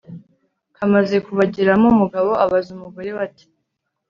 Kamaze kubageramo umugabo abaza umugore we ati